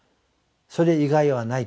それ以外はない。